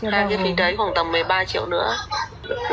thế phí đấy khoảng tầm một mươi ba triệu nữa